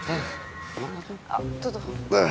eh tuh tuh